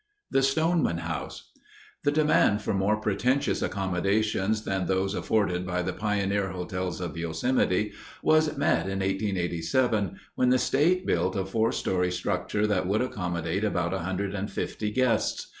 The Stoneman House The demand for more pretentious accommodations than those afforded by the pioneer hotels of Yosemite was met in 1887, when the state built a four story structure that would accommodate about 150 guests.